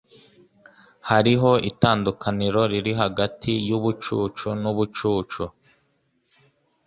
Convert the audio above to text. Hariho itandukaniro riri hagati yubucucu nubucucu.